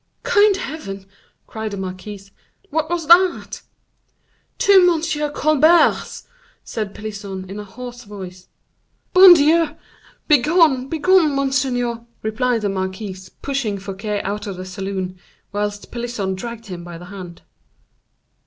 "Kind heaven!" cried the marquise, "what was that?" "To M. Colbert's!" said Pelisson, in a hoarse voice. "Bon Dieu!—begone, begone, monseigneur!" replied the marquise, pushing Fouquet out of the salon, whilst Pelisson dragged him by the hand.